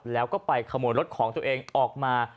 แล้วก็ไปขโมยรถของตัวเองออกมา